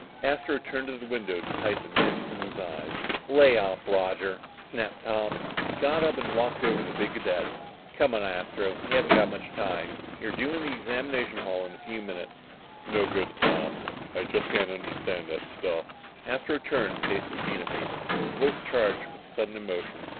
Astro turned to the window to hide the mist in his eyes. "Lay off, Roger," snapped Tom. He got up and walked over to the big cadet. "Come on, Astro, we haven't got much time. You're due in the examination hall in a few minutes." "It's no good, Tom, I just can't understand that stuff." Astro turned and faced his unit mates, his voice charged with sudden emotion.